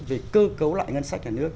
về cơ cấu lại ngân sách nhà nước